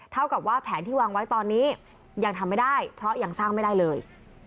เท่ากับว่าแผนที่วางไว้ตอนนี้ยังทำไม่ได้เพราะยังสร้างไม่ได้เลย